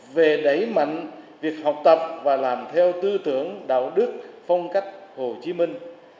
về đẩy mạnh việc học tập và làm theo tư tưởng đạo đức phong cách hồ chí minh